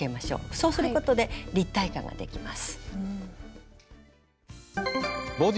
そうすることで立体感ができます。